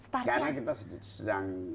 karena kita sedang